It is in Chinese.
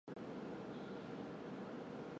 本休息区仅设于环状线方向。